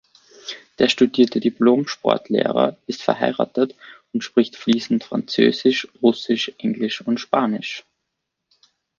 Der studierte Diplomsportlehrer ist verheiratet und spricht fließend Französisch, Russisch, Englisch und Spanisch.